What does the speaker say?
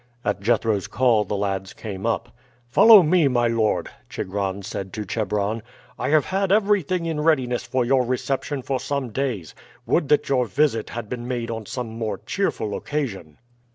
At Jethro's call the lads came up. "Follow me, my lord," Chigron said to Chebron. "I have had everything in readiness for your reception for some days. Would that your visit had been made on some more cheerful occasion."